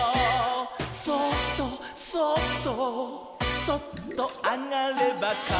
「そっとそっとそっとあがればからだの」